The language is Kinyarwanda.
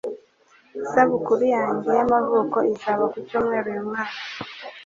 Isabukuru yanjye y'amavuko izaba ku cyumweru uyu mwaka.